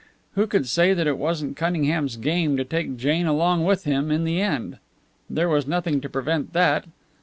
Who could say that it wasn't Cunningham's game to take Jane along with him in the end? There was nothing to prevent that.